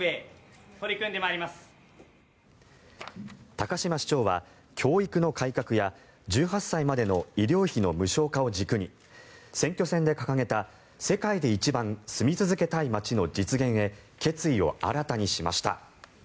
高島市長は教育の改革や１８歳までの医療費の無償化を軸に選挙戦で掲げた世界で一番住み続けたい街の実現へ決意を新たにしました。